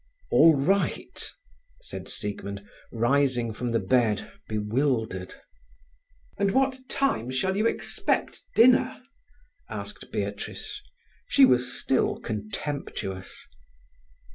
"All right," said Siegmund, rising from the bed, bewildered. "And what time shall you expect dinner?" asked Beatrice. She was still contemptuous.